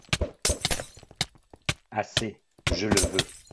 Assez !… je le veux !…